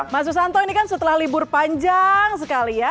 mas susanto ini kan setelah libur panjang sekali ya